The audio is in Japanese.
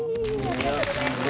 ありがとうございます。